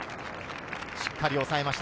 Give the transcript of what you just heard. しっかり抑えました。